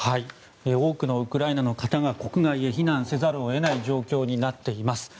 多くのウクライナの方が国外に避難せざるを得ない状況になっています。